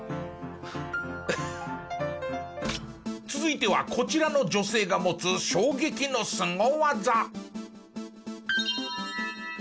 続いてはこちらの女性が持つ手書きなんだ！